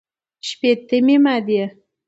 شپېتمې مادې